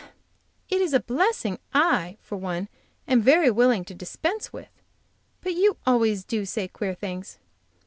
It is a blessing I, for one, am very willing to dispense with. But you always did say queer things.